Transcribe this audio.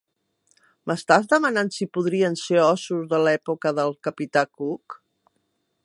M'estàs demanant si podrien ser ossos de l'època del capità Cook?